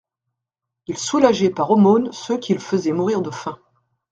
Ils soulageaient par aumône ceux qu'ils faisaient mourir de faim.